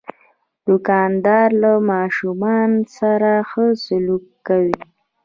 دوکاندار له ماشومان سره ښه سلوک کوي.